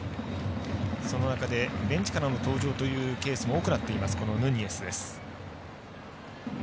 その中でベンチからの登場というケースも多くなっています、ヌニエスです。